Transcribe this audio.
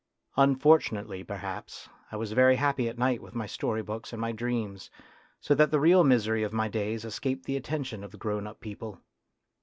Unfortunately, perhaps, I was very happy at night with my story books and my dreams, so that the real misery of my days escaped the attention of the grown up people.